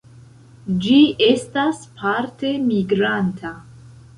Ĝi estas parte migranta.